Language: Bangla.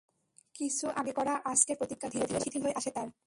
কিছু আগে করা আজকের প্রতিজ্ঞা ধীরে ধীরে শিথিল হয়ে আসে তার।